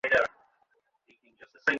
বিদ্যুৎ তো নেই!